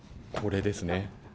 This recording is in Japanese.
これですね。